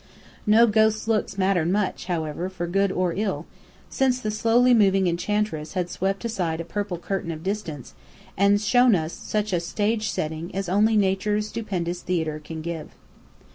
No ghost's looks mattered much, however, for good or ill, once the slowly moving Enchantress had swept aside a purple curtain of distance and shown us such a stagesetting as only Nature's stupendous theatre can give.